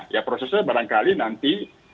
ya prosesnya barangkali nanti